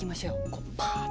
こうパーッと！